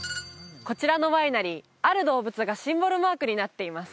こちらのワイナリーある動物がシンボルマークになっています